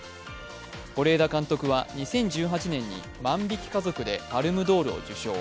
是枝監督は２０１８年に「万引き家族」でパルムドールを受賞。